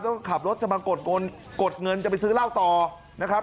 แล้วก็ขับรถจะมากดเงินจะไปซื้อเหล้าต่อนะครับ